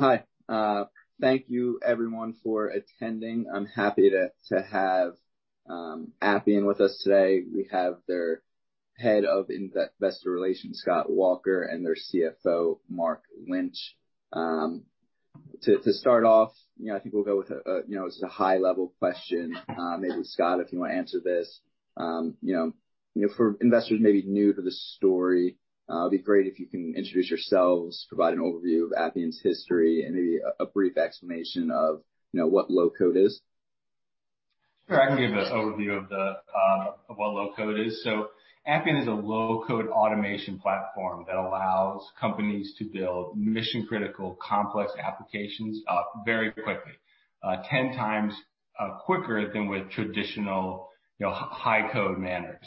Hi. Thank you everyone for attending. I am happy to have Appian with us today. We have their Head of Investor Relations, Scott Walker, and their CFO, Mark Lynch. To start off, I think we will go with a high-level question. Maybe Scott, if you want to answer this. For investors maybe new to the story, it would be great if you can introduce yourselves, provide an overview of Appian's history and maybe a brief explanation of what low-code is. Sure. I can give an overview of what low-code is. Appian is a low-code automation platform that allows companies to build mission-critical complex applications very quickly, 10 times quicker than with traditional high-code manners.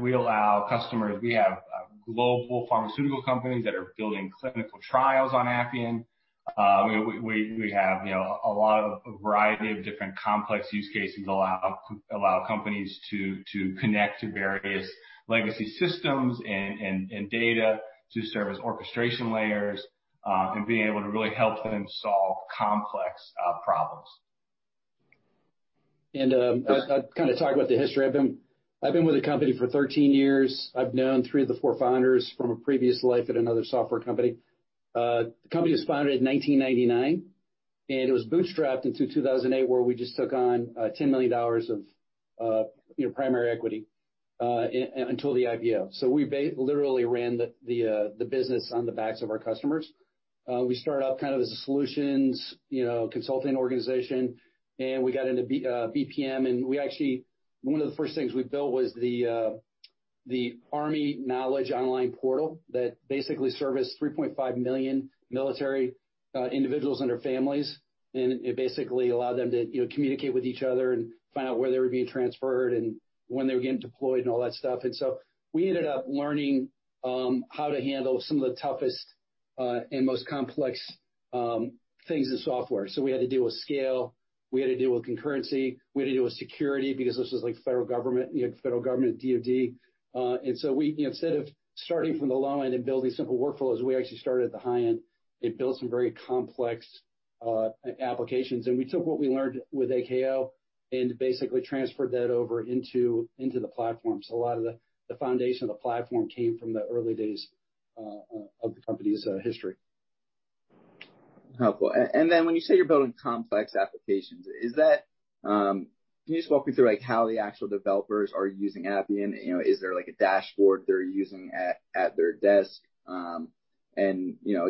We allow customers, we have global pharmaceutical companies that are building clinical trials on Appian. We have a variety of different complex use cases allow companies to connect to various legacy systems and data to serve as orchestration layers, and being able to really help them solve complex problems. I'll kind of talk about the history. I've been with the company for 13 years. I've known three of the four founders from a previous life at another software company. The company was founded in 1999, and it was bootstrapped until 2008, where we just took on $10 million of primary equity, until the IPO. We literally ran the business on the backs of our customers. We started off kind of as a solutions consulting organization, and we got into BPM, and actually one of the first things we built was the Army Knowledge Online portal that basically serviced 3.5 million military individuals and their families. It basically allowed them to communicate with each other and find out where they were being transferred and when they were getting deployed and all that stuff. We ended up learning how to handle some of the toughest and most complex things in software. We had to deal with scale. We had to deal with concurrency. We had to deal with security because this was federal government, DoD. Instead of starting from the low end and building simple workflows, we actually started at the high end and built some very complex applications. We took what we learned with AKO and basically transferred that over into the platform. A lot of the foundation of the platform came from the early days of the company's history. Helpful. When you say you're building complex applications, can you just walk me through how the actual developers are using Appian? Is there a dashboard they're using at their desk? I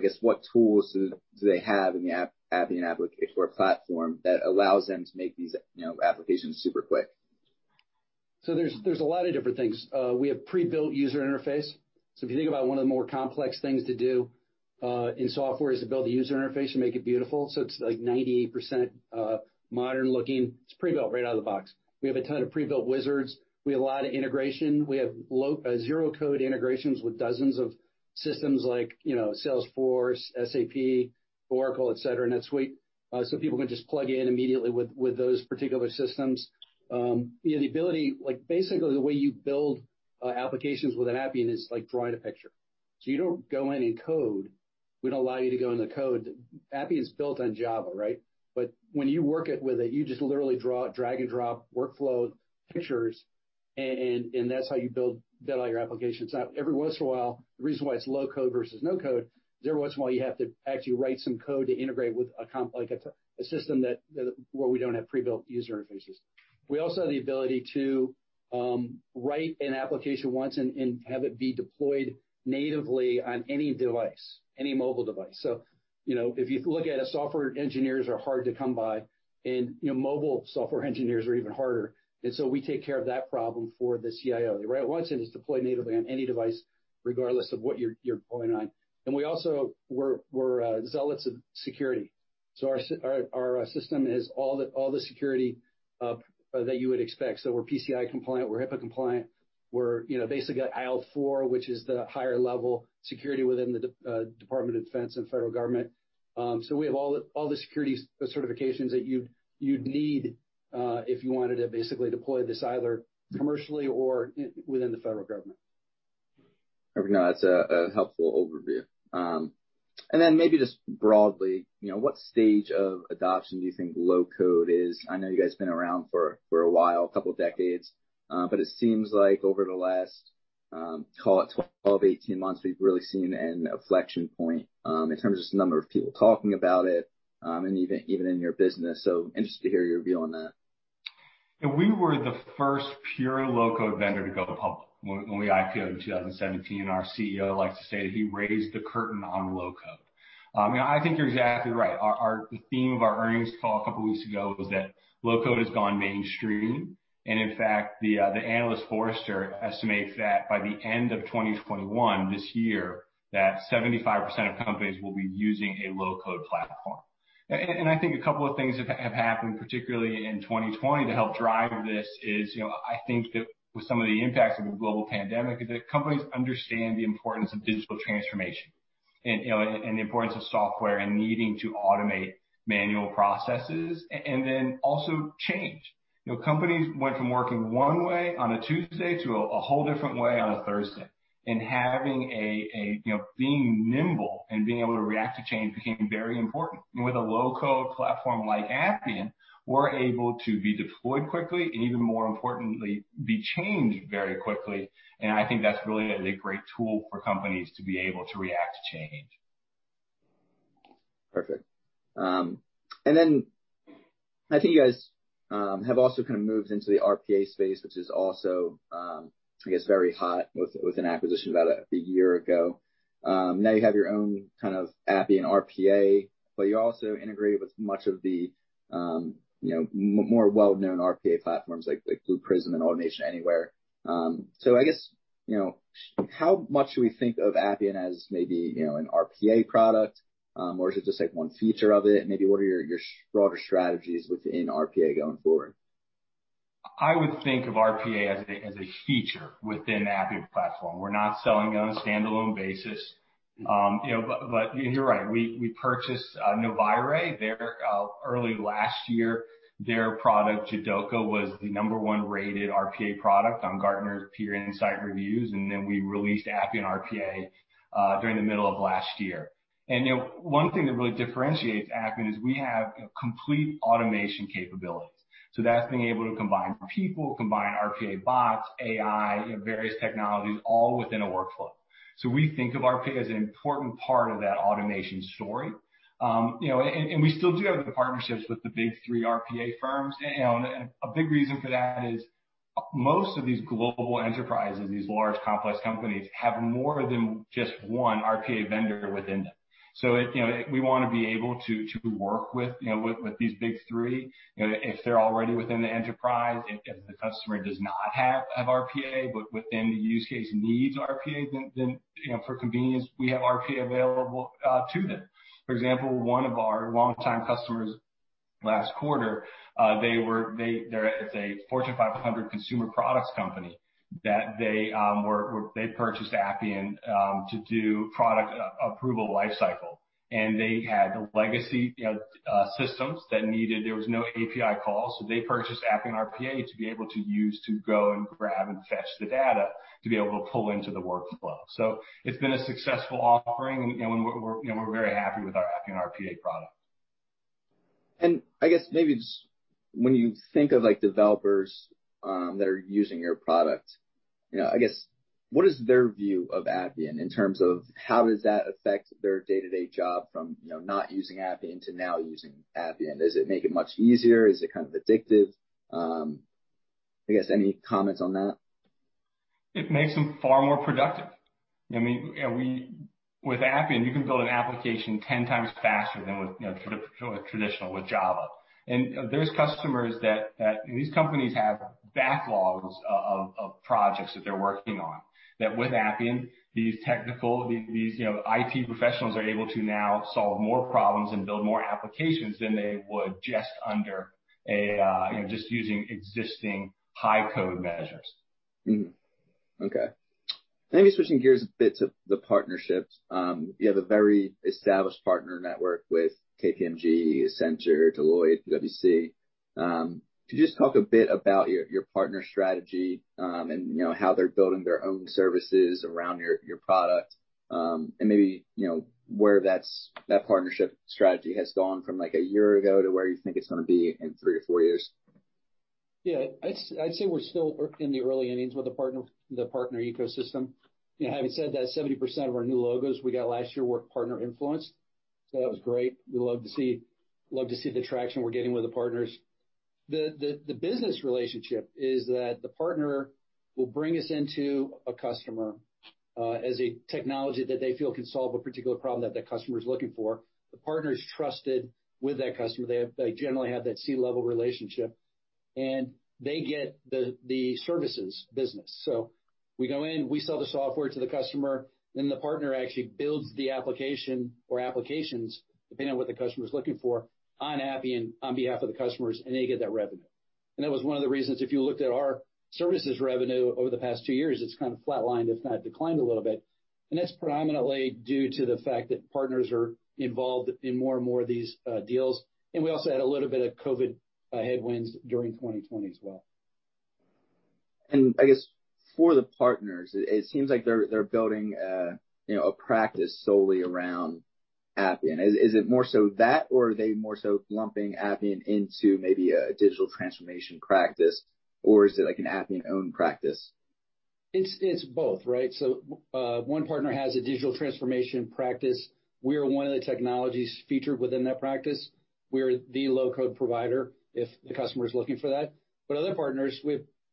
guess what tools do they have in the Appian application or platform that allows them to make these applications super quick? There's a lot of different things. We have pre-built user interface. If you think about one of the more complex things to do in software is to build a user interface and make it beautiful. It's like 98% modern looking. It's pre-built right out of the box. We have a ton of pre-built wizards. We have a lot of integration. We have zero code integrations with dozens of systems like Salesforce, SAP, Oracle, et cetera, NetSuite. People can just plug in immediately with those particular systems. Basically, the way you build applications within Appian is like drawing a picture. You don't go in and code. We don't allow you to go into code. Appian is built on Java. When you work with it, you just literally draw, drag and drop workflow pictures, and that's how you build all your applications out. Every once in a while, the reason why it's low-code versus no-code, is every once in a while, you have to actually write some code to integrate with a system where we don't have pre-built user interfaces. We also have the ability to write an application once and have it be deployed natively on any device, any mobile device. If you look at it, software engineers are hard to come by, and mobile software engineers are even harder. We take care of that problem for the CIO. You write it once and it's deployed natively on any device, regardless of what you're going on. We also, we're zealots of security. Our system has all the security that you would expect. We're PCI compliant, we're HIPAA compliant. We're basically at IL-4, which is the higher level security within the Department of Defense and federal government. We have all the security certifications that you'd need if you wanted to basically deploy this either commercially or within the federal government. That's a helpful overview. Maybe just broadly, what stage of adoption do you think low-code is? I know you guys have been around for a while, a couple of decades. It seems like over the last, call it 12, 18 months, we've really seen an inflection point in terms of just the number of people talking about it, and even in your business. Interested to hear your view on that. We were the first pure low-code vendor to go public. When we IPO'd in 2017, our CEO likes to say that he raised the curtain on low-code. I think you're exactly right. The theme of our earnings call a couple of weeks ago was that low-code has gone mainstream. In fact, the analyst Forrester estimates that by the end of 2021, this year, that 75% of companies will be using a low-code platform. I think a couple of things have happened, particularly in 2020 to help drive this is, I think that with some of the impacts of the global pandemic, is that companies understand the importance of digital transformation and the importance of software and needing to automate manual processes. Then also change. Companies went from working one way on a Tuesday to a whole different way on a Thursday. Being nimble and being able to react to change became very important. With a low-code platform like Appian, we're able to be deployed quickly, and even more importantly, be changed very quickly. I think that's really a great tool for companies to be able to react to change. Perfect. I think you guys have also kind of moved into the RPA space, which is also, I guess, very hot with an acquisition about a year ago. Now you have your own kind of Appian RPA, but you also integrate with much of the more well-known RPA platforms like Blue Prism and Automation Anywhere. I guess, how much do we think of Appian as maybe an RPA product? Or is it just one feature of it? Maybe what are your broader strategies within RPA going forward? I would think of RPA as a feature within the Appian platform. We're not selling it on a standalone basis. You're right, we purchased Novayre early last year. Their product, Jidoka, was the number one-rated RPA product on Gartner's Peer Insights reviews. We released Appian RPA during the middle of last year. One thing that really differentiates Appian is we have complete automation capabilities. That's being able to combine people, combine RPA bots, AI, various technologies, all within a workflow. We think of RPA as an important part of that automation story. We still do have the partnerships with the big three RPA firms. A big reason for that is most of these global enterprises, these large, complex companies, have more than just one RPA vendor within them. We want to be able to work with these big three if they're already within the enterprise. If the customer does not have RPA, but within the use case needs RPA, then for convenience, we have RPA available to them. For example, one of our longtime customers last quarter, it's a Fortune 500 consumer products company, they purchased Appian to do product approval life cycle. They had legacy systems that needed. There was no API call, so they purchased Appian RPA to be able to use to go and grab and fetch the data to be able to pull into the workflow. It's been a successful offering, and we're very happy with our Appian RPA product. I guess maybe just when you think of developers that are using your product, I guess, what is their view of Appian in terms of how does that affect their day-to-day job from not using Appian to now using Appian? Does it make it much easier? Is it kind of addictive? I guess, any comments on that? It makes them far more productive. With Appian, you can build an application 10 times faster than with traditional, with Java. These companies have backlogs of projects that they're working on, that with Appian, these technical, these IT professionals are able to now solve more problems and build more applications than they would just using existing high-code measures. Mm-hmm. Okay. Maybe switching gears a bit to the partnerships. You have a very established partner network with KPMG, Accenture, Deloitte, PwC. Could you just talk a bit about your partner strategy, and how they're building their own services around your product? Maybe where that partnership strategy has gone from a year ago to where you think it's going to be in three to four years? I'd say we're still in the early innings with the partner ecosystem. Having said that, 70% of our new logos we got last year were partner-influenced. That was great. We love to see the traction we're getting with the partners. The business relationship is that the partner will bring us into a customer as a technology that they feel can solve a particular problem that the customer is looking for. The partner is trusted with that customer. They generally have that C-level relationship, and they get the services business. We go in, we sell the software to the customer, then the partner actually builds the application or applications, depending on what the customer is looking for, on Appian, on behalf of the customers, and they get that revenue. That was one of the reasons, if you looked at our services revenue over the past two years, it's kind of flatlined, if not declined a little bit. That's predominantly due to the fact that partners are involved in more and more of these deals. We also had a little bit of COVID headwinds during 2020 as well. I guess for the partners, it seems like they're building a practice solely around Appian. Is it more so that, or are they more so lumping Appian into maybe a digital transformation practice, or is it like an Appian-owned practice? It's both, right? One partner has a digital transformation practice. We are one of the technologies featured within that practice. We are the low-code provider if the customer is looking for that. Other partners,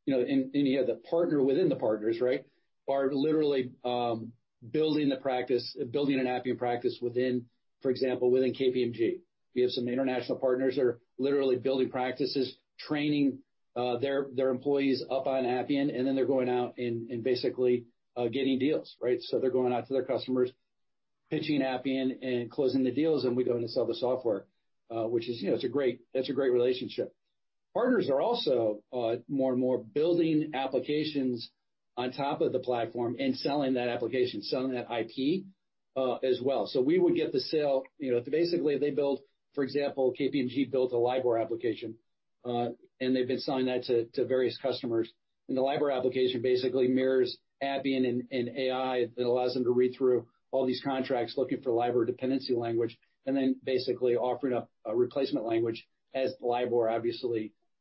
and you have the partner within the partners, right, are literally building an Appian practice within, for example, within KPMG. We have some international partners that are literally building practices, training their employees up on Appian, and then they're going out and basically getting deals, right? They're going out to their customers, pitching Appian and closing the deals, and we go in and sell the software, which is a great relationship. Partners are also more and more building applications on top of the platform and selling that application, selling that IP as well. We would get the sale. Basically, they build, for example, KPMG built a LIBOR application, and they've been selling that to various customers. The LIBOR application basically mirrors Appian and AI that allows them to read through all these contracts looking for LIBOR dependency language, and then basically offering up a replacement language as LIBOR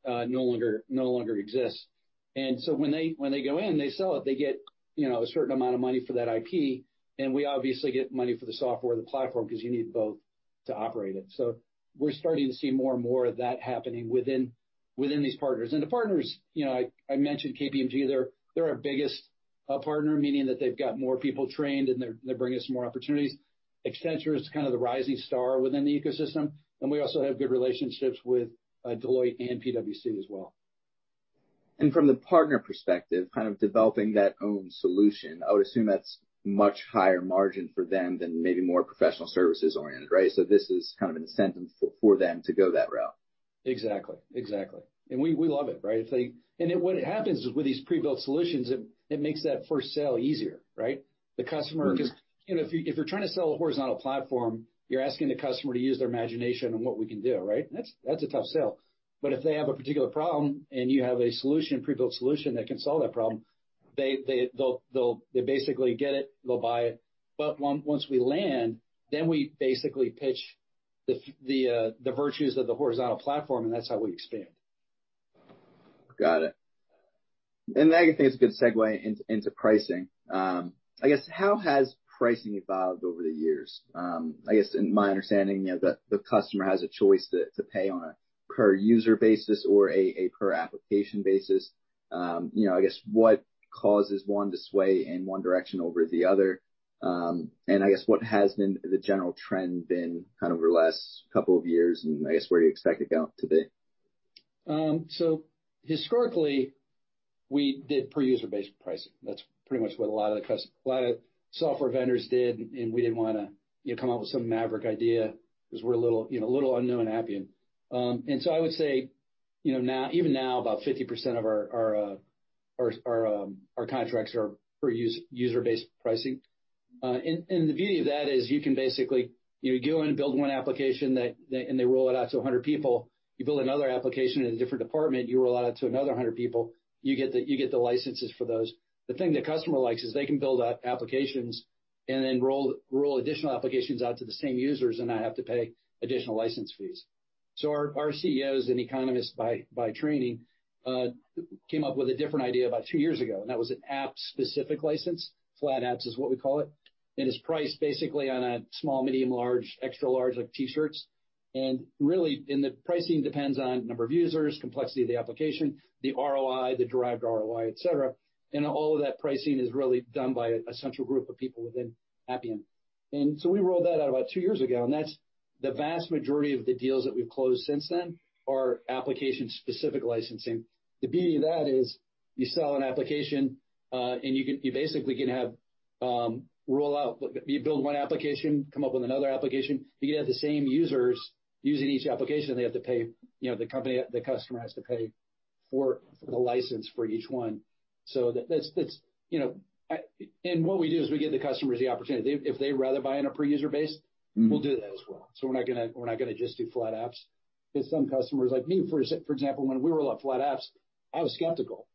obviously no longer exists. When they go in, they sell it, they get a certain amount of money for that IP, and we obviously get money for the software, the platform, because you need both to operate it. We're starting to see more and more of that happening within these partners. The partners, I mentioned KPMG, they're our biggest partner, meaning that they've got more people trained, and they're bringing us more opportunities. Accenture is kind of the rising star within the ecosystem, and we also have good relationships with Deloitte and PwC as well. From the partner perspective, kind of developing that own solution, I would assume that's much higher margin for them than maybe more professional services oriented, right? This is kind of an incentive for them to go that route. Exactly. We love it, right? What happens is with these pre-built solutions, it makes that first sale easier, right? If you're trying to sell a horizontal platform, you're asking the customer to use their imagination on what we can do, right? That's a tough sell. If they have a particular problem and you have a solution, pre-built solution that can solve that problem, they basically get it, they'll buy it. Once we land, we basically pitch the virtues of the horizontal platform, and that's how we expand. Got it. I think it's a good segue into pricing. I guess, how has pricing evolved over the years? I guess in my understanding, the customer has a choice to pay on a per user basis or a per application basis. I guess what causes one to sway in one direction over the other? I guess what has been the general trend been over the last couple of years, and I guess where you expect it to go today? Historically, we did per user-based pricing. That's pretty much what a lot of software vendors did, and we didn't want to come out with some maverick idea because we're a little unknown Appian. I would say, even now, about 50% of our contracts are per user-based pricing. The beauty of that is you can basically go in and build one application, and they roll it out to 100 people. You build another application in a different department, you roll it out to another 100 people. You get the licenses for those. The thing the customer likes is they can build out applications and then roll additional applications out to the same users and not have to pay additional license fees. Our CEO is an economist by training, came up with a different idea about two years ago, and that was an app-specific license. Flat apps is what we call it. It's priced basically on a small, medium, large, extra large, like T-shirts. Really, the pricing depends on number of users, complexity of the application, the ROI, the derived ROI, et cetera. All of that pricing is really done by a central group of people within Appian. We rolled that out about two years ago, and that's the vast majority of the deals that we've closed since then are application-specific licensing. The beauty of that is you sell an application, and you basically can have roll out. You build one application, come up with another application. You can have the same users using each application, they have to pay, the company, the customer has to pay for the license for each one. What we do is we give the customers the opportunity. If they'd rather buy on a per user base- We'll do that as well. We're not going to just do flat apps. Because some customers like me, for example, when we roll out flat apps, I was skeptical.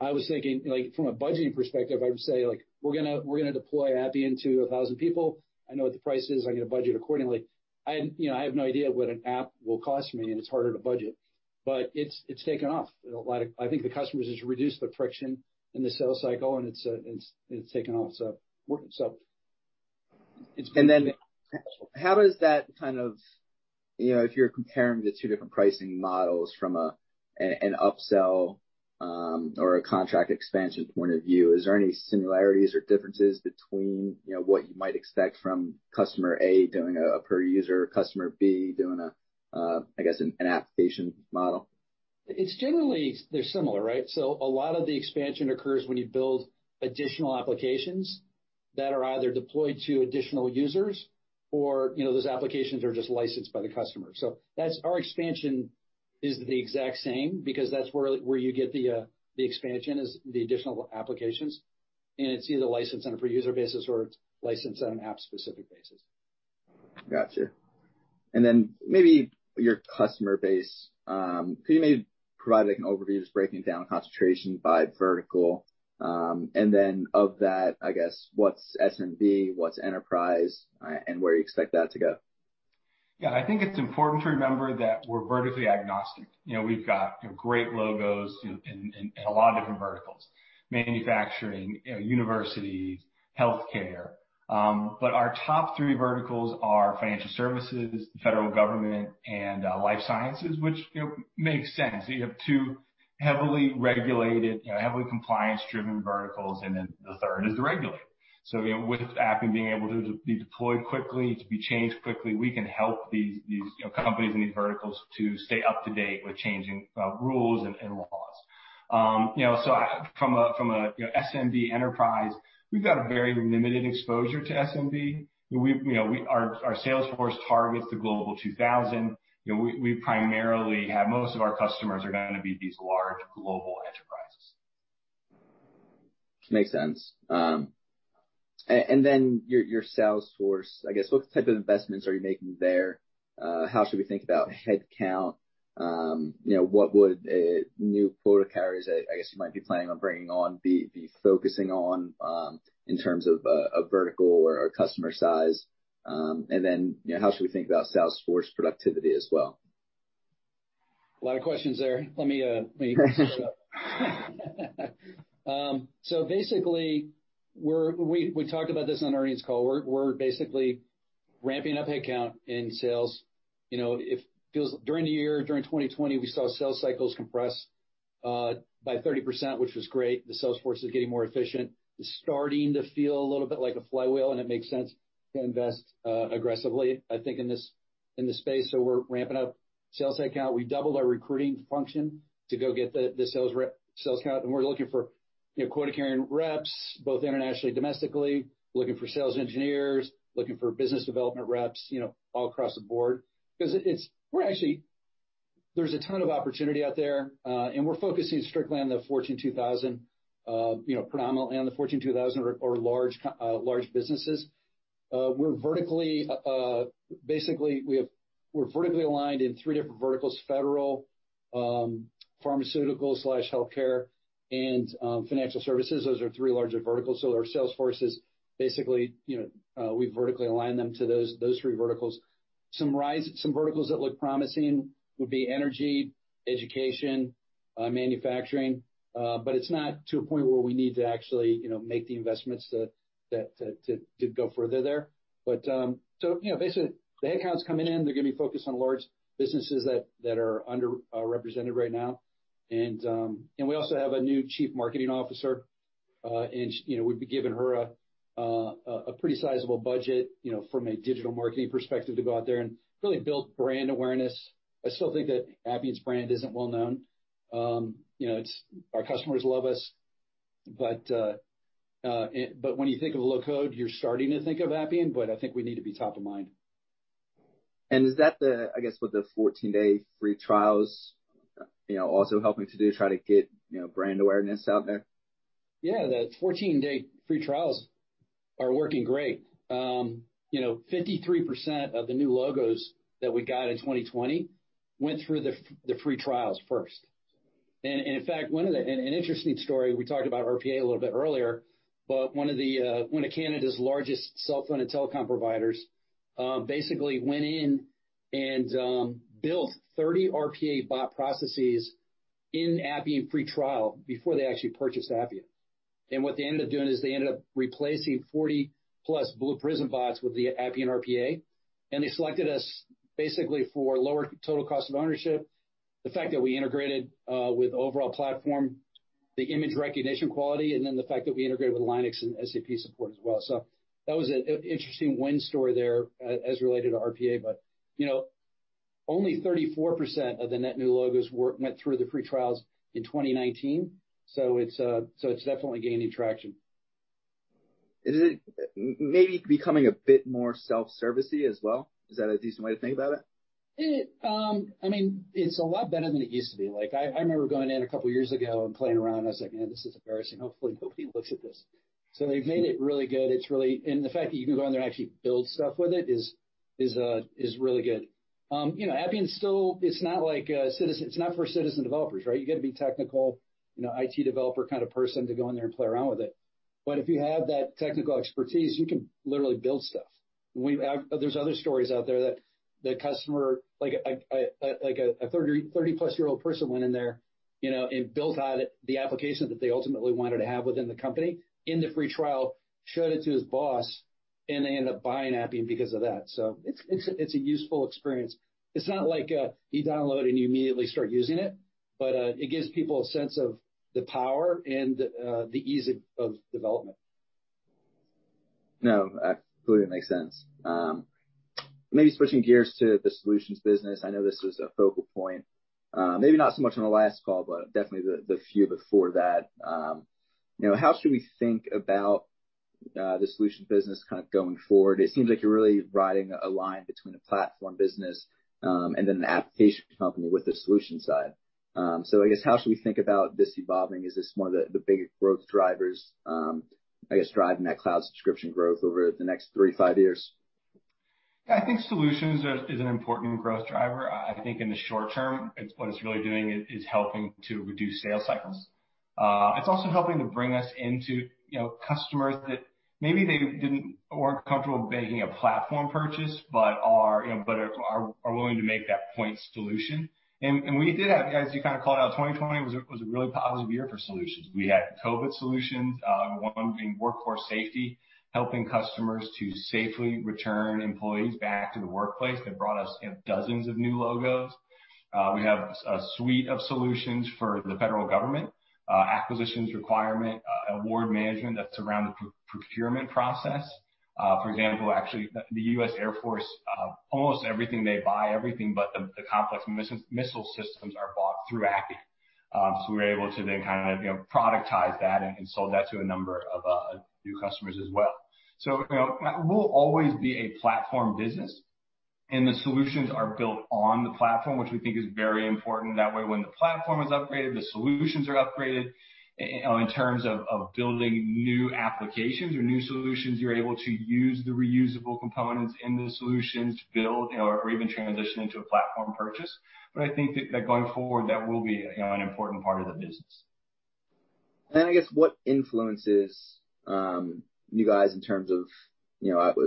I was thinking, from a budgeting perspective, I would say, like, "We're going to deploy Appian to 1,000 people. I know what the price is. I'm going to budget accordingly." I have no idea what an app will cost me, and it's harder to budget. It's taken off a lot. I think the customers just reduced the friction in the sales cycle, and it's taken off. It's been. How does that kind of, if you're comparing the two different pricing models from an upsell or a contract expansion point of view, is there any similarities or differences between what you might expect from customer A doing a per user, customer B doing, I guess, an application model? It's generally they're similar, right. A lot of the expansion occurs when you build additional applications that are either deployed to additional users or those applications are just licensed by the customer. That's our expansion is the exact same because that's where you get the expansion is the additional applications, it's either licensed on a per user basis or it's licensed on an app-specific basis. Got you. Maybe your customer base, could you maybe provide an overview, just breaking down concentration by vertical? Of that, I guess, what's SMB, what's enterprise, and where you expect that to go? I think it's important to remember that we're vertically agnostic. We've got great logos in a lot of different verticals: manufacturing, university, healthcare. Our top three verticals are financial services, Federal Government, and life sciences, which makes sense. You have two heavily regulated, heavily compliance-driven verticals, and then the third is the regulator. With Appian being able to be deployed quickly, to be changed quickly, we can help these companies in these verticals to stay up to date with changing rules and laws. From a SMB enterprise, we've got a very limited exposure to SMB. Our sales force targets the Global 2000. We primarily have most of our customers are going to be these large global enterprises. Makes sense. Then your sales force, what type of investments are you making there? How should we think about headcount? What would a new quota carriers, I guess you might be planning on bringing on, be focusing on in terms of a vertical or customer size? Then, how should we think about sales force productivity as well? A lot of questions there. Basically, we talked about this on earnings call. We're basically ramping up headcount in sales. During the year, during 2020, we saw sales cycles compress by 30%, which was great. The sales force is getting more efficient. It's starting to feel a little bit like a flywheel, and it makes sense to invest aggressively, I think, in this space. We're ramping up sales headcount. We doubled our recruiting function to go get the sales headcount, and we're looking for quota-carrying reps, both internationally and domestically. We're looking for sales engineers, looking for business development reps all across the board, because there's a ton of opportunity out there, and we're focusing strictly on the Global 2000 predominantly, or large businesses. Basically, we're vertically aligned in three different verticals, federal, pharmaceutical/healthcare, and financial services. Those are three larger verticals. Our sales forces, basically, we've vertically aligned them to those three verticals. Some verticals that look promising would be energy, education, manufacturing. It's not to a point where we need to actually make the investments to go further there. Basically, the headcount is coming in. They're going to be focused on large businesses that are underrepresented right now. We also have a new Chief Marketing Officer, and we've given her a pretty sizable budget from a digital marketing perspective to go out there and really build brand awareness. I still think that Appian's brand isn't well known. Our customers love us. When you think of low-code, you're starting to think of Appian, but I think we need to be top of mind. Is that the, I guess, with the 14-day free trials also helping to do, try to get brand awareness out there? Yeah. The 14-day free trials are working great. 53% of the new logos that we got in 2020 went through the free trials first. In fact, an interesting story, we talked about RPA a little bit earlier, but one of Canada's largest cell phone and telecom providers basically went in and built 30 RPA bot processes in Appian free trial before they actually purchased Appian. What they ended up doing is they ended up replacing 40 plus Blue Prism bots with the Appian RPA, and they selected us basically for lower total cost of ownership, the fact that we integrated with the overall platform, the image recognition quality, and then the fact that we integrated with Linux and SAP support as well. That was an interesting win story there as related to RPA. Only 34% of the net new logos went through the free trials in 2019. It's definitely gaining traction. Is it maybe becoming a bit more self-servicey as well? Is that a decent way to think about it? It's a lot better than it used to be. I remember going in a couple of years ago and playing around. I was like, "Man, this is embarrassing. Hopefully, nobody looks at this." They've made it really good. The fact that you can go in there and actually build stuff with it is really good. Appian, it's not for citizen developers, right? You got to be technical, IT developer kind of person to go in there and play around with it. If you have that technical expertise, you can literally build stuff. There's other stories out there that a customer, like a 30-plus-year-old person went in there and built out the application that they ultimately wanted to have within the company in the free trial, showed it to his boss, and they ended up buying Appian because of that. It's a useful experience. It's not like you download and you immediately start using it. It gives people a sense of the power and the ease of development. Absolutely makes sense. Maybe switching gears to the solutions business. I know this was a focal point, maybe not so much on the last call, but definitely the few before that. How should we think about the solution business going forward? It seems like you're really riding a line between a platform business, an application company with the solution side. I guess how should we think about this evolving? Is this one of the big growth drivers, I guess, driving that cloud subscription growth over the next three to five years? I think solutions is an important growth driver. I think in the short term, what it's really doing is helping to reduce sales cycles. It's also helping to bring us into customers that maybe they didn't or weren't comfortable making a platform purchase, but are willing to make that point solution. We did have, as you called out, 2020 was a really positive year for solutions. We had COVID solutions, one being workforce safety, helping customers to safely return employees back to the workplace. That brought us dozens of new logos. We have a suite of solutions for the federal government, acquisitions requirement, award management that surround the procurement process. For example, actually, the U.S. Air Force, almost everything they buy, everything but the complex missile systems are bought through Appian. We were able to then productize that and sold that to a number of new customers as well. We'll always be a platform business. The solutions are built on the platform, which we think is very important. That way, when the platform is upgraded, the solutions are upgraded. In terms of building new applications or new solutions, you're able to use the reusable components in those solutions to build or even transition into a platform purchase. I think that going forward, that will be an important part of the business. I guess what influences you guys in terms of,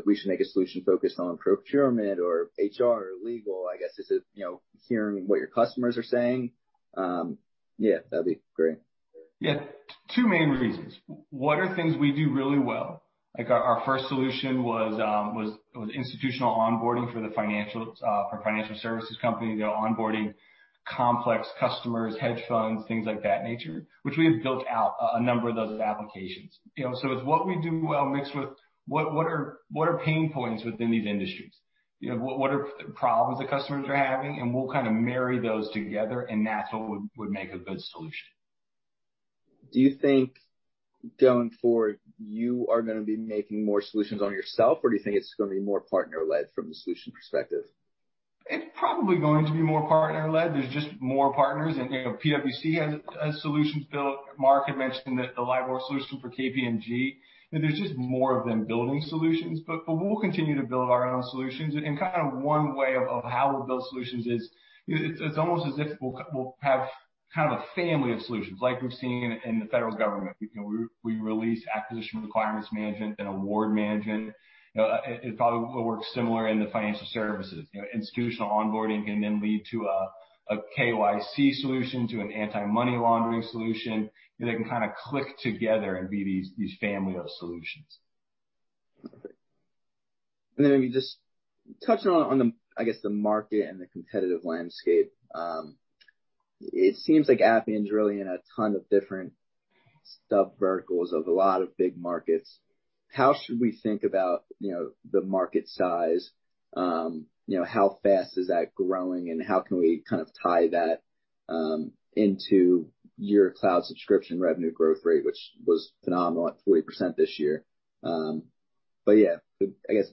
we should make a solution focused on procurement or HR or legal, I guess, is it hearing what your customers are saying? Yeah, that'd be great. Two main reasons. What are things we do really well? Our first solution was institutional onboarding for financial services company, onboarding complex customers, hedge funds, things like that nature, which we have built out a number of those applications. It's what we do well mixed with what are pain points within these industries. What are problems the customers are having? We'll kind of marry those together, and that's what would make a good solution. Do you think, going forward, you are going to be making more solutions on yourself, or do you think it's going to be more partner-led from the solution perspective? It's probably going to be more partner-led. There's just more partners, and PwC has solutions built. Mark had mentioned the LIBOR solution for KPMG. There's just more of them building solutions. We'll continue to build our own solutions. One way of how we'll build solutions is, it's almost as if we'll have kind of a family of solutions like we've seen in the federal government. We release acquisition requirements management and award management. It probably will work similar in the financial services. Institutional onboarding can then lead to a KYC solution, to an anti-money laundering solution. They can kind of click together and be these family of solutions. Perfect. Then maybe just touching on the market and the competitive landscape. It seems like Appian is really in a ton of different subverticals of a lot of big markets. How should we think about the market size? How fast is that growing, how can we tie that into your cloud subscription revenue growth rate, which was phenomenal at 40% this year? Yeah,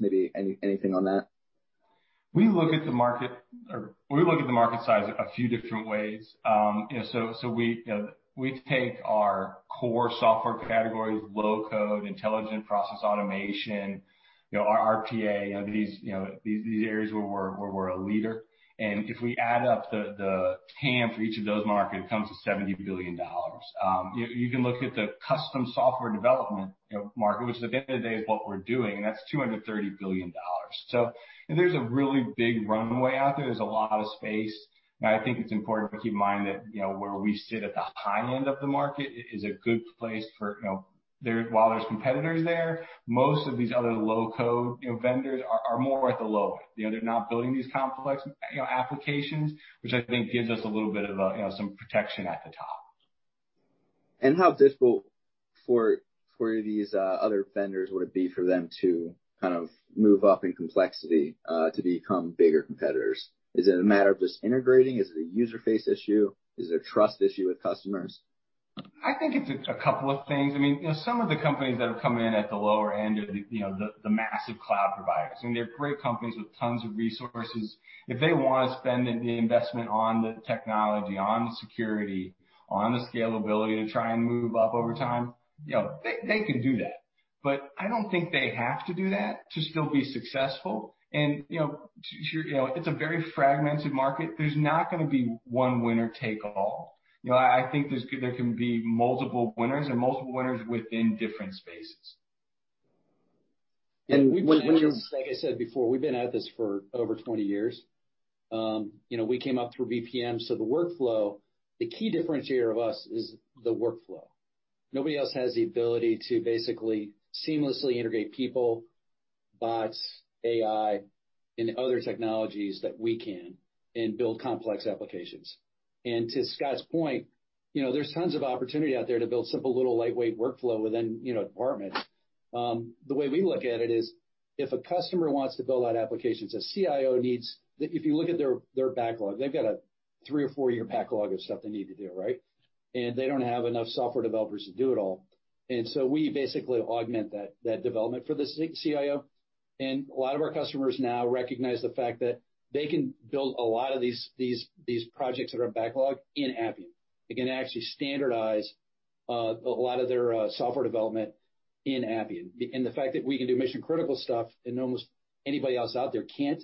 maybe anything on that. We look at the market size a few different ways. We take our core software categories, low-code, intelligent process automation, our RPA, these areas where we're a leader. If we add up the TAM for each of those markets, it comes to $70 billion. You can look at the custom software development market, which at the end of the day is what we're doing, and that's $230 billion. There's a really big runway out there. There's a lot of space, and I think it's important to keep in mind that where we sit at the high end of the market is a good place for, while there's competitors there, most of these other low-code vendors are more at the low end. They're not building these complex applications, which I think gives us a little bit of some protection at the top. How difficult for these other vendors would it be for them to move up in complexity to become bigger competitors? Is it a matter of just integrating? Is it a user interface issue? Is it a trust issue with customers? I think it's a couple of things. Some of the companies that have come in at the lower end are the massive cloud providers, and they're great companies with tons of resources. If they want to spend the investment on the technology, on the security, on the scalability to try and move up over time, they can do that. I don't think they have to do that to still be successful. It's a very fragmented market. There's not going to be one winner take all. I think there can be multiple winners and multiple winners within different spaces. And when- Like I said before, we've been at this for over 20 years. We came up through BPM, so the workflow, the key differentiator of us is the workflow. Nobody else has the ability to basically seamlessly integrate people, bots, AI, and other technologies that we can and build complex applications. To Scott's point, there's tons of opportunity out there to build simple little lightweight workflow within departments. The way we look at it is, if a customer wants to build out applications, a CIO needs If you look at their backlog, they've got a three or four-year backlog of stuff they need to do, right? They don't have enough software developers to do it all. We basically augment that development for the CIO. A lot of our customers now recognize the fact that they can build a lot of these projects that are backlogged in Appian. They can actually standardize a lot of their software development in Appian. The fact that we can do mission-critical stuff, and almost anybody else out there can't,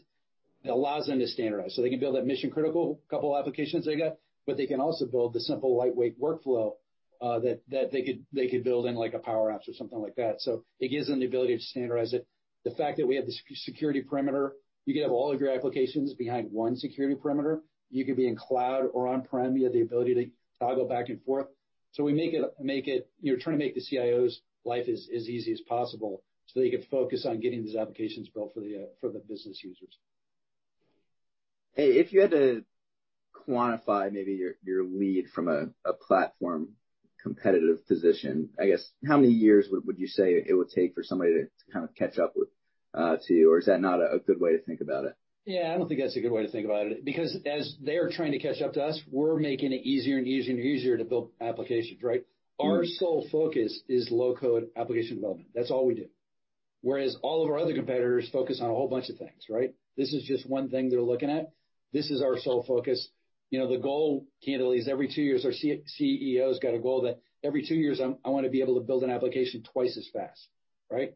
it allows them to standardize. They can build that mission-critical couple applications they got, but they can also build the simple lightweight workflow that they could build in like a Power Apps or something like that. It gives them the ability to standardize it. The fact that we have the security perimeter, you can have all of your applications behind one security perimeter. You could be in cloud or on-prem, you have the ability to toggle back and forth. You're trying to make the CIO's life as easy as possible so that he can focus on getting these applications built for the business users. Hey, if you had to quantify maybe your lead from a platform competitive position, I guess, how many years would you say it would take for somebody to kind of catch up with to you? Or is that not a good way to think about it? I don't think that's a good way to think about it, because as they're trying to catch up to us, we're making it easier and easier and easier to build applications, right? Our sole focus is low-code application development. That's all we do. Whereas all of our other competitors focus on a whole bunch of things, right? This is just one thing they're looking at. This is our sole focus. The goal, candidly, is every two years, our CEO's got a goal that every two years I want to be able to build an application twice as fast, right?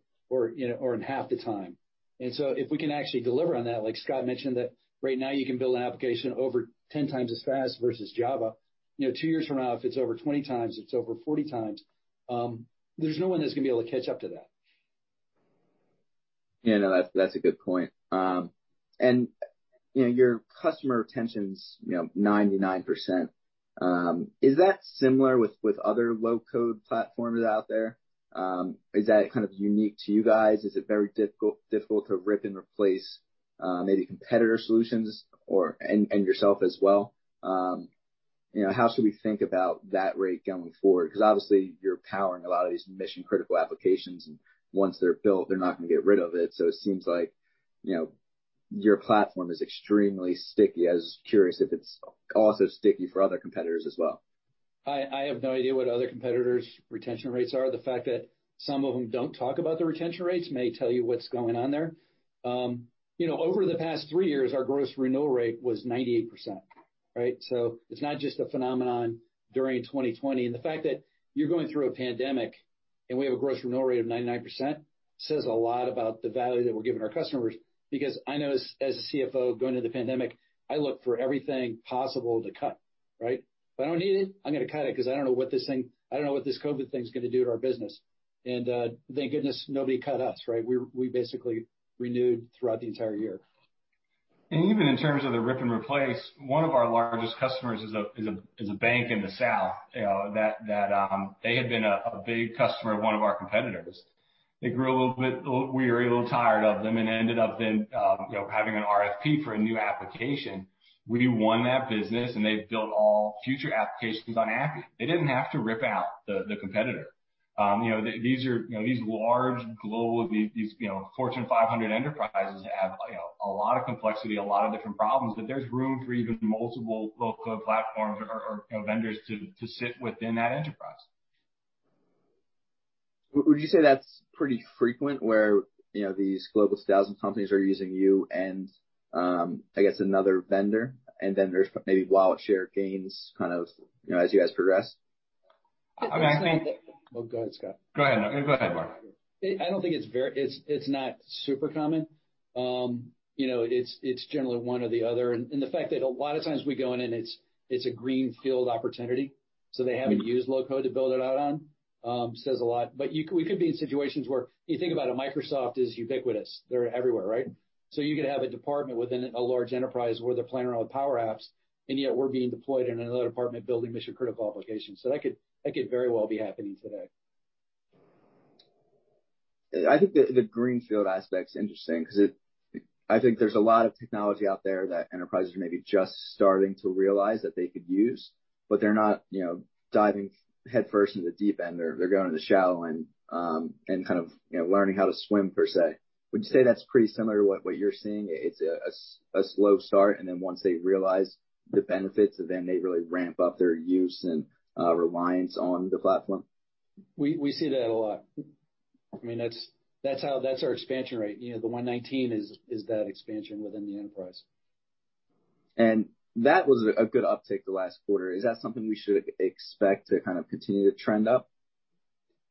In half the time. If we can actually deliver on that, like Scott mentioned that right now you can build an application over 10 times as fast versus Java. Two years from now, if it's over 20 times, it's over 40 times, there's no one that's going to be able to catch up to that. Yeah, no, that's a good point. Your customer retention's 99%. Is that similar with other low-code platforms out there? Is that kind of unique to you guys? Is it very difficult to rip and replace maybe competitor solutions and yourself as well? How should we think about that rate going forward? Because obviously you're powering a lot of these mission-critical applications, and once they're built, they're not going to get rid of it, so it seems like your platform is extremely sticky. I was curious if it's also sticky for other competitors as well. I have no idea what other competitors' retention rates are. The fact that some of them don't talk about their retention rates may tell you what's going on there. Over the past three years, our gross renewal rate was 98%, right? It's not just a phenomenon during 2020. The fact that you're going through a pandemic, and we have a gross renewal rate of 99%, says a lot about the value that we're giving our customers. I know as a CFO going into the pandemic, I look for everything possible to cut, right? If I don't need it, I'm going to cut it because I don't know what this COVID thing's going to do to our business. Thank goodness nobody cut us, right? We basically renewed throughout the entire year. Even in terms of the rip and replace, one of our largest customers is a bank in the South. They had been a big customer of one of our competitors. They grew a little bit weary, a little tired of them and ended up then having an RFP for a new application. We won that business, they've built all future applications on Appian. They didn't have to rip out the competitor. These large global, these Fortune 500 enterprises have a lot of complexity, a lot of different problems, but there's room for even multiple low-code platforms or vendors to sit within that enterprise. Would you say that's pretty frequent where these Global 2000 companies are using you and, I guess another vendor, and then there's maybe wallet share gains kind of as you guys progress? I mean, I think- Well, go ahead, Scott. Go ahead, Mark. I don't think it's not super common. It's generally one or the other. The fact that a lot of times we go in, and it's a greenfield opportunity, so they haven't used low-code to build it out on, says a lot. We could be in situations where you think about it, Microsoft is ubiquitous. They're everywhere, right? You could have a department within a large enterprise where they're planning on Power Apps, and yet we're being deployed in another department building mission-critical applications. That could very well be happening today. I think the greenfield aspect's interesting because I think there's a lot of technology out there that enterprises are maybe just starting to realize that they could use, but they're not diving headfirst into the deep end. They're going in the shallow end, and kind of learning how to swim, per se. Would you say that's pretty similar to what you're seeing? It's a slow start, and then once they realize the benefits, then they really ramp up their use and reliance on the platform. We see that a lot. I mean, that's our expansion rate. The 119% is that expansion within the enterprise. That was a good uptick the last quarter. Is that something we should expect to kind of continue to trend up?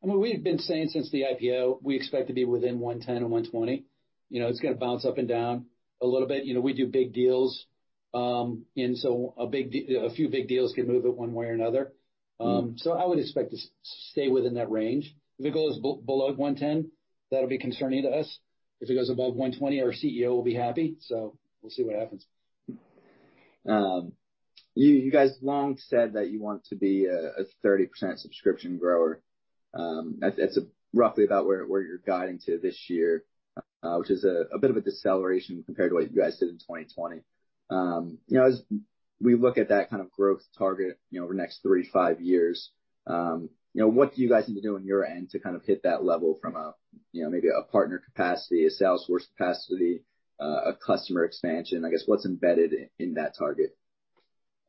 I mean, we've been saying since the IPO, we expect to be within 110 and 120. It's going to bounce up and down a little bit. We do big deals. A few big deals can move it one way or another. I would expect to stay within that range. If it goes below 110, that'll be concerning to us. If it goes above 120, our CEO will be happy, so we'll see what happens. You guys long said that you want to be a 30% subscription grower. That's roughly about where you're guiding to this year, which is a bit of a deceleration compared to what you guys did in 2020. As we look at that kind of growth target over the next three to five years, what do you guys need to do on your end to kind of hit that level from a maybe a partner capacity, a sales force capacity, a customer expansion? I guess what's embedded in that target?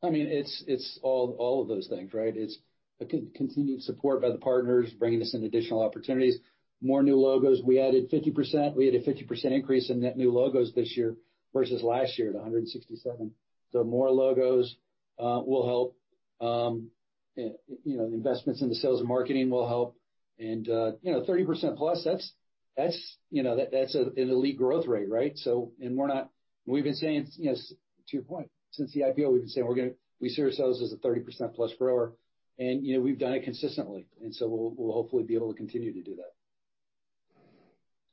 I mean, it's all of those things, right? It's a continued support by the partners, bringing us in additional opportunities, more new logos. We added 50%. We had a 50% increase in net new logos this year versus last year at 167. More logos will help. Investments in the sales and marketing will help. 30% plus that's an elite growth rate, right? We've been saying, to your point, since the IPO, we've been saying we see ourselves as a 30%-plus grower, and we've done it consistently. We'll hopefully be able to continue to do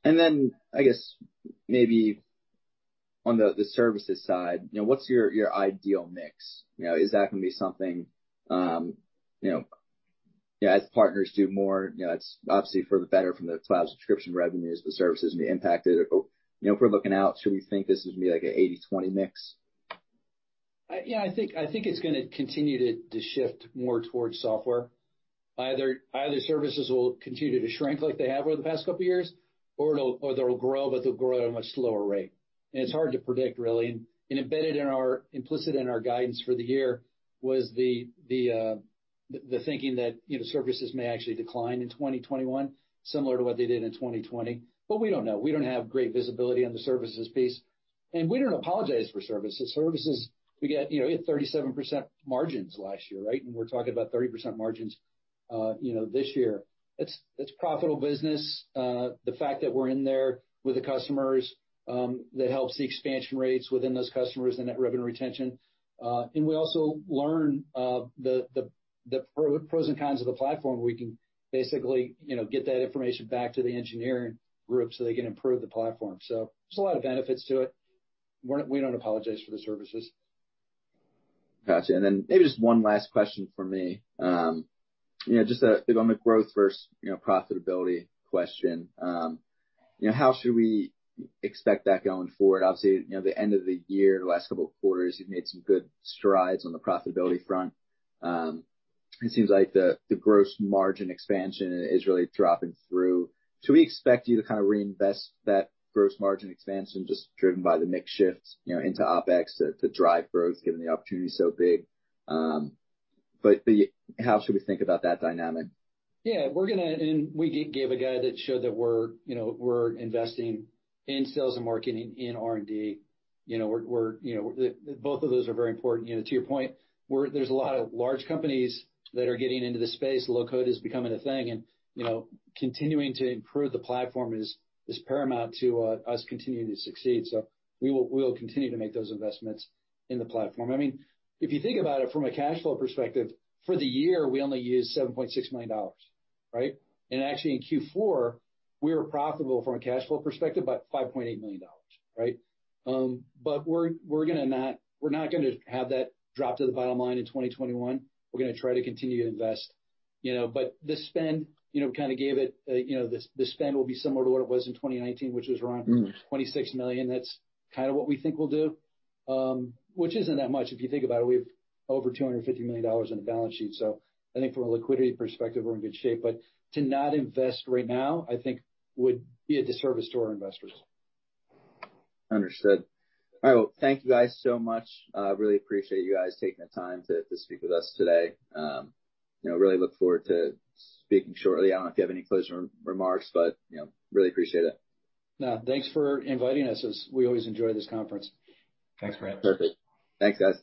that. I guess maybe on the services side, what's your ideal mix? Is that going to be something as partners do more, it's obviously for the better from the cloud subscription revenues, the services be impacted? If we're looking out, should we think this would be like an 80/20 mix? Yeah, I think it's going to continue to shift more towards software. Either services will continue to shrink like they have over the past couple of years, or they'll grow, but they'll grow at a much slower rate. It's hard to predict, really. Embedded in our, implicit in our guidance for the year was The thinking that services may actually decline in 2021, similar to what they did in 2020. We don't know. We don't have great visibility on the services piece. We don't apologize for services. Services, we had 37% margins last year, right? We're talking about 30% margins this year. It's profitable business. The fact that we're in there with the customers, that helps the expansion rates within those customers, the net revenue retention. We also learn the pros and cons of the platform. We can basically get that information back to the engineering group so they can improve the platform. There's a lot of benefits to it. We don't apologize for the services. Got you. Then maybe just one last question from me. Just a bit on the growth versus profitability question. How should we expect that going forward? Obviously, the end of the year, the last couple of quarters, you've made some good strides on the profitability front. It seems like the gross margin expansion is really dropping through. Should we expect you to kind of reinvest that gross margin expansion just driven by the mix shift into OpEx to drive growth, given the opportunity's so big? How should we think about that dynamic? Yeah. We gave a guide that showed that we're investing in sales and marketing in R&D. Both of those are very important. To your point, there's a lot of large companies that are getting into this space. Low code is becoming a thing, and continuing to improve the platform is paramount to us continuing to succeed. We will continue to make those investments in the platform. If you think about it from a cash flow perspective, for the year, we only used $7.6 million. Right? Actually in Q4, we were profitable from a cash flow perspective by $5.8 million. Right? We're not going to have that drop to the bottom line in 2021. We're going to try to continue to invest. The spend will be similar to what it was in 2019, which was around $26 million. That's kind of what we think we'll do, which isn't that much if you think about it. We have over $250 million on the balance sheet. I think from a liquidity perspective, we're in good shape. But to not invest right now, I think would be a disservice to our investors. Understood. All right. Well, thank you guys so much. Really appreciate you guys taking the time to speak with us today. Really look forward to speaking shortly. I don't know if you have any closing remarks, but really appreciate it. No. Thanks for inviting us, as we always enjoy this conference. Thanks for having us. Perfect. Thanks, guys.